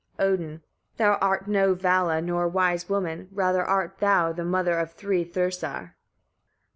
Odin. 19. "Thou art no Vala, nor wise woman, rather art thou the mother of three Thursar."